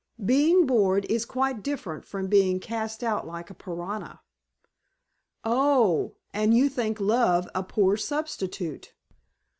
Being bored is quite different from being cast out like a pariah." "Oh! And you think love a poor substitute?"